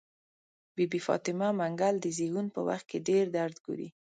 بي بي فاطمه منګل د زيږون په وخت کې ډير درد ګوري.